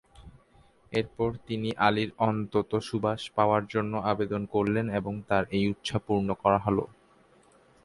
এরপর তিনি আলীর অন্তত সুবাস পাওয়ার জন্য আবেদন করলেন এবং তার এই ইচ্ছা পূর্ণ করা হল।